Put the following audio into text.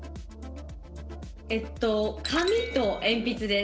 えっと紙と鉛筆です。